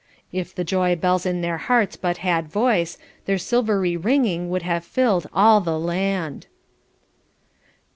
If the joy bells in their hearts but had voice, their silvery ringing would have filled all the land.